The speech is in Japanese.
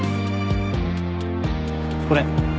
これ。